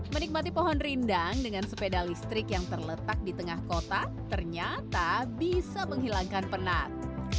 menikmati pohon rindang dengan sepeda listrik yang terletak di tengah kota ternyata bisa menghilangkan penat